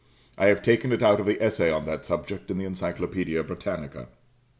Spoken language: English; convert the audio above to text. I have taken it out of the essay on that subject in the "Encyclopædia Britannica."